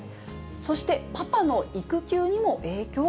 そしてパパの育休にも影響？